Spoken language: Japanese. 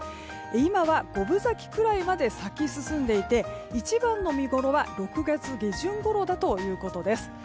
今は５分咲きくらいまで咲き進んでいて一番の見ごろは６月下旬ごろだということです。